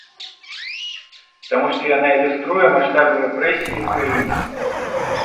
Таму што яна ілюструе маштабы рэпрэсій у краіне.